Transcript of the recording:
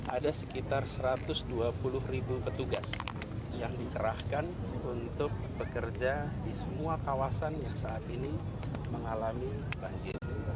ada sekitar satu ratus dua puluh ribu petugas yang dikerahkan untuk bekerja di semua kawasan yang saat ini mengalami banjir